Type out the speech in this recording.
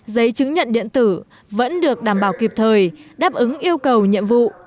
giấy chứng nhận điện tử vẫn được đảm bảo kịp thời đáp ứng yêu cầu nhiệm vụ